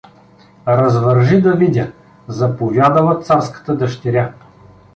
— Развържи да видя — заповядала царската дъщеря.